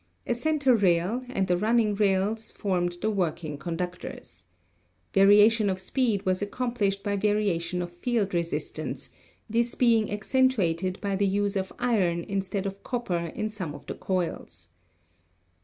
A center rail and the running rails formed the working conductors. Variation of speed was accomplished by variation of field resistance, this being accentuated by the use of iron instead of copper in some of the coils.